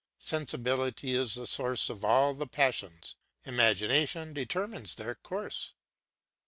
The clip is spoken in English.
Sensibility is the source of all the passions, imagination determines their course.